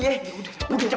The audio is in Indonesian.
udah cepet tangan lu juga